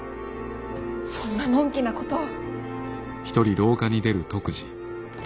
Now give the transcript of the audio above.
そんなのんきなことを。